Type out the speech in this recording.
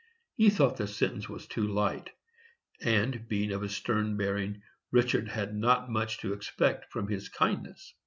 He thought the sentence was too light, and, being of a stern bearing, Richard had not much to expect from his kindness.